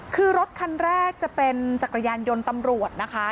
คือรถคันแรกจะเป็นจักรยานยนต์ตำรวจนะคะ